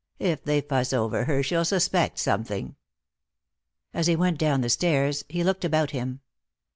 "If they fuss over her she'll suspect something." As he went down the stairs he looked about him.